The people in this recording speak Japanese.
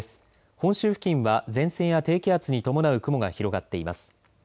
本州付近は前線や低気圧に伴う雲が広がっています。